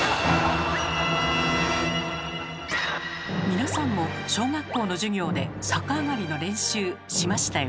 皆さんも小学校の授業で逆上がりの練習しましたよね？